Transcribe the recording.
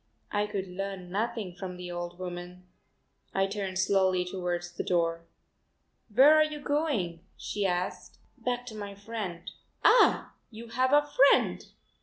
I could learn nothing from the old woman. I turned slowly towards the door. "Where are you going?" she asked. "Back to my friend." "Ah, you have a friend!